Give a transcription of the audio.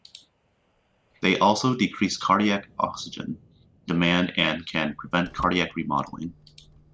They also decrease cardiac oxygen demand and can prevent cardiac remodeling.